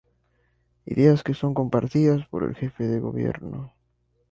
Ideas que son compartidas por el jefe de gobierno.